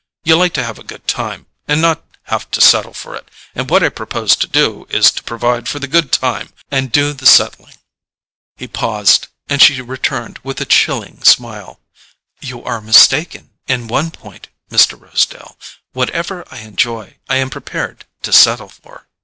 You like to have a good time, and not have to settle for it; and what I propose to do is to provide for the good time and do the settling." He paused, and she returned with a chilling smile: "You are mistaken in one point, Mr. Rosedale: whatever I enjoy I am prepared to settle for."